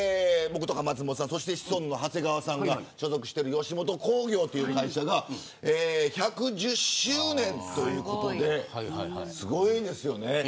僕とか松本さん、そしてシソンヌの長谷川さんが所属している吉本興業という会社が１１０周年ということですごいですよね。